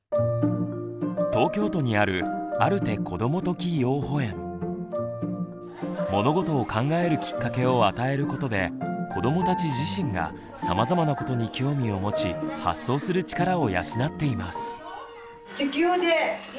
東京都にある物事を考えるきっかけを与えることで子どもたち自身がさまざまなことに興味を持ち発想する力を養っています。